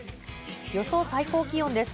予想最高気温です。